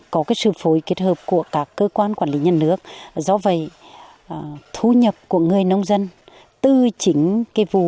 có cái sự phối kết hợp của các cơ quan quản lý nhân nước do vậy thu nhập của người nông dân từ chính cái vụ